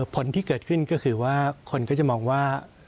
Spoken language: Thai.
ผลที่เกิดขึ้นก็คือว่าคนก็จะมองว่า